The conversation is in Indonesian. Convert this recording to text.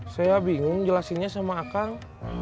saya bingung jelasinnya sama akang